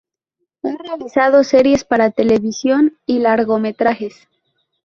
Ha realizado series para televisión y largometrajes.